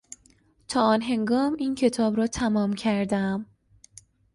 تا آن هنگام این کتاب را تمام کردهام.